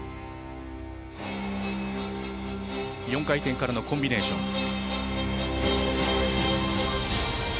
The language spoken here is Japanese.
４回転からのコンビネーション。